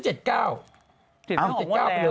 ๗๙๙หมดแล้ว